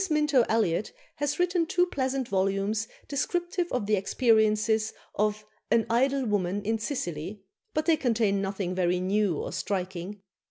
Minto Elliot has written two pleasant volumes descriptive of the experiences of "An Idle Woman in Sicily," but they contain nothing very new or striking.